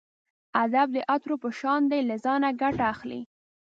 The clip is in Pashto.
ادب د عطرو په شان دی له ځانه ګټه اخلئ.